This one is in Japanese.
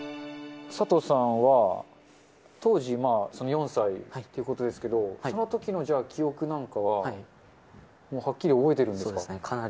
佐藤さんは、当時４歳ということですけど、そのときのじゃあ記憶なんかは、はっきり覚えてるんですか？